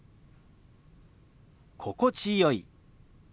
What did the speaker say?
「心地よい」。